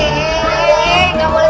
nggak boleh nggak boleh